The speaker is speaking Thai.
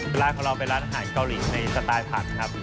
ร้านของเราเป็นร้านอาหารเกาหลีในสไตล์ผัดครับ